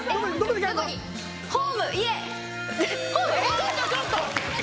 ちょっとちょっと！